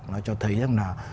nó cho thấy rằng là